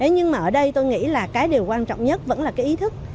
nhưng mà ở đây tôi nghĩ là cái điều quan trọng nhất vẫn là cái ý thức